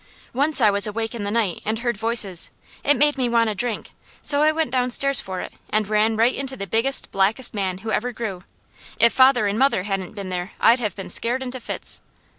Once I was awake in the night and heard voices. It made me want a drink, so I went downstairs for it, and ran right into the biggest, blackest man who ever grew. If father and mother hadn't been there I'd have been scared into fits.